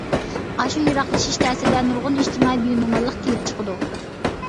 ئاشۇ يىراقلىشىش تەسىرىدە نۇرغۇن ئىجتىمائىي بىنورماللىق كېلىپ چىقىدۇ.